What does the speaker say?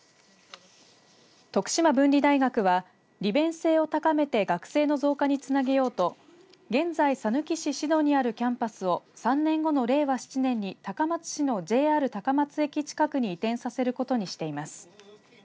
徳島文理大学は利便性を高めて学生の増加につなげようと現在、さぬき市志度にあるキャンパスを３年後の令和７年に高松市のＪＲ高松駅近くに移転させることにしています。